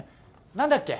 何だっけ？